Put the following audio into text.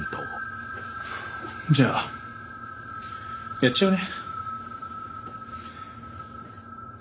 じゃあやっちゃうね。